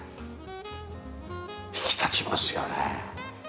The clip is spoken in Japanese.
引き立ちますよね。